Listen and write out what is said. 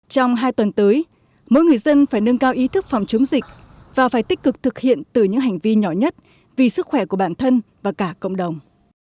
trong hai tuần tới mỗi người dân phải nâng cao ý thức phòng chống dịch và phải tích cực thực hiện từ những hành vi nhỏ nhất vì sức khỏe của bản thân và cả cộng đồng